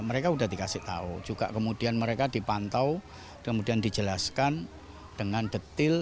mereka sudah dikasih tahu juga kemudian mereka dipantau kemudian dijelaskan dengan detail